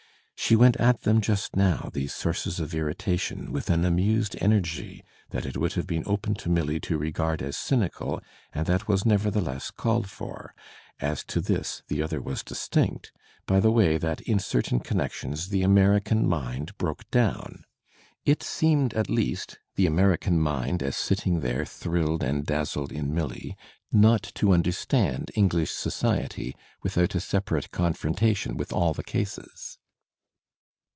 "She went at them just now, these sources of irritation, with an amused energy that it would have been open to Milly to regard as cynical and that was nevertheless called for — as to this the other was distinct — by the way that in certain connections the American mind broke down. It seemed at least — the American mind as sitting there Digitized by Google 328 THE SPIRIT OP AMERICAN LITERATURE thrilled and dazzled in Milly — not to understand English society without a separate confrontation with all the cases."